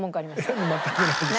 いや全くないです。